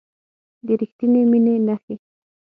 د ریښتینې مینې نښې